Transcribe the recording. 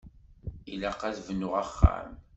Ilaq ad d-bnuɣ axxam.